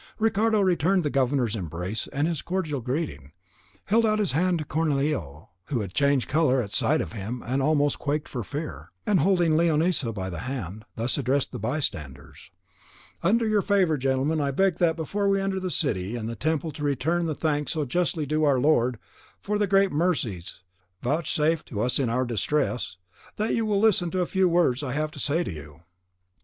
Ricardo returned the governor's embrace and his cordial greeting; held out his hand to Cornelio (who had changed colour at sight of him, and almost quaked for fear), and, holding Leonisa also by the hand, thus addressed the bystanders: "Under your favour, gentlemen, I beg that, before we enter the city and the temple to return the thanks so justly due to our Lord for the great mercies vouchsafed to us in our distresses, that you will listen to a few words I have to say to you."